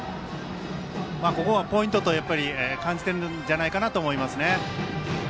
ここはポイントと感じているんだと思います。